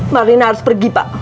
marlina harus pergi pak